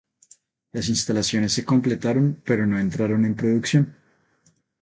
Las instalaciones se completaron pero no entraron en producción.